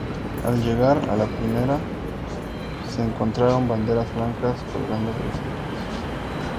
Al llegar a la primera, se encontraron banderas blancas colgando de los edificios.